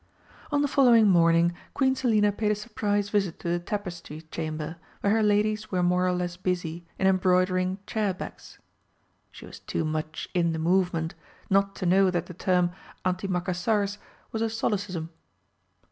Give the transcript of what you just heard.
On the following morning Queen Selina paid a surprise visit to the Tapestry Chamber, where her ladies were more or less busy in embroidering "chair backs" (she was too much in the movement not to know that the term "antimacassars" was a solecism).